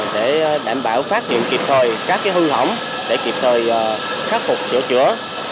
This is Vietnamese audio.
để đảm bảo phát hiện kịp thời các hư hỏng để kịp thời khắc phục sửa chữa